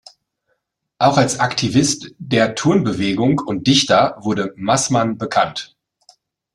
Auch als Aktivist der Turnbewegung und Dichter wurde Maßmann bekannt.